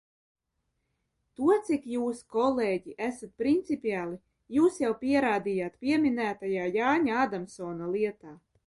To, cik jūs, kolēģi, esat principiāli, jūs jau pierādījāt pieminētajā Jāņa Ādamsona lietā.